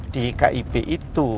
di kib itu